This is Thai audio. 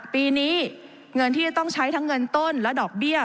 ปีนี้เงินที่จะต้องใช้ทั้งเงินต้นและดอกเบี้ย